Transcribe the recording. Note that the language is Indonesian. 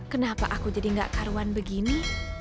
kenapa aku jadi gak karuan begini